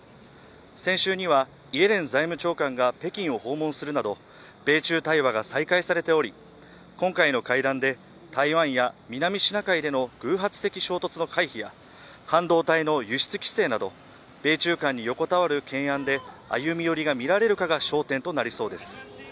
先週にはイエレン財務長官が北京を訪問するなど米中対話が再開されており今回の会談で台湾や南シナ海での偶発的衝突の回避や半導体の輸出規制など米中間に横たわる懸案で歩み寄りがみられるかが焦点となりそうです。